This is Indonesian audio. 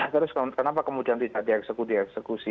terus kenapa kemudian tidak dieksekusi eksekusi